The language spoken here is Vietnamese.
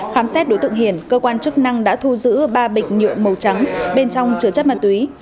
khám xét đối tượng hiển cơ quan chức năng đã thu giữ ba bịch nhựa màu trắng bên trong chứa chất ma túy